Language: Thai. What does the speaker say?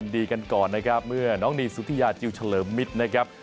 ดีกันก่อนนะครับเมื่อน้องนีสุธิยาจิลเฉลิมมิตรนะครับ